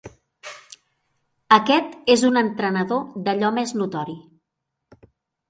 Aquest és un entrenador d'allò més notori.